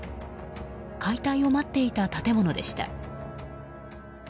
解体を待っていた建物でした。